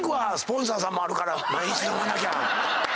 毎日飲まなきゃ。